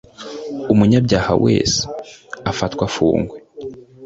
umunyabyahawese afatwe afungwe.